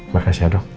makasih ya dok